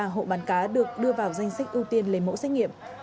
tám mươi ba hộ bán cá được đưa vào danh sách ưu tiên lấy mẫu xét nghiệm